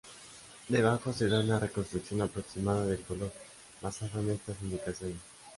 Debajo se da una reconstrucción aproximada del color, basada en estas indicaciones.